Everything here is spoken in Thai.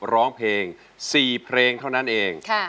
ร้องเพลง๔เพลงเท่านั้นเอง